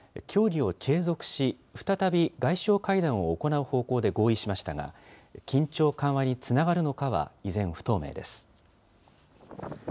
協議を継続し、再び外相会談を行う方向で合意しましたが、緊張緩和につながるのかは、依然、不透明です。